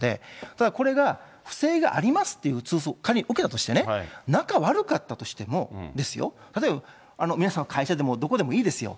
ただこれが、不正がありますっていう通報を仮に受けたとしてね、仲悪かったとしてもですよ、例えば、皆さんの会社でもどこでもいいですよ。